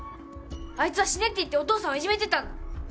あいつは「死ね」って言ってお父さんをいじめてたんだ！